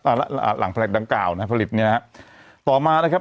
อ่าหลังผลิตดังกล่าวนะฮะผลิตเนี้ยนะฮะต่อมานะครับ